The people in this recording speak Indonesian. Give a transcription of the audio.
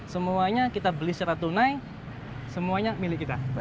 semuanya kita beli secara tunai semuanya milik kita